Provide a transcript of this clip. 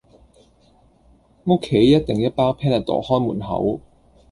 屋企一定一包 Panadol 看門口